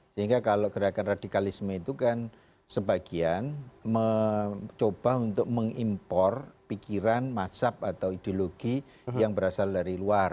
sehingga kalau gerakan radikalisme itu kan sebagian mencoba untuk mengimpor pikiran mazhab atau ideologi yang berasal dari luar